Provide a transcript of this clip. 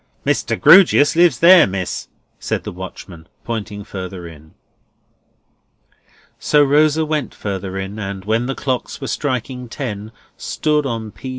"Mr. Grewgious lives there, Miss," said the watchman, pointing further in. So Rosa went further in, and, when the clocks were striking ten, stood on P.